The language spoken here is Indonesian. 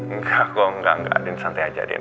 enggak kok enggak nggak din santai aja din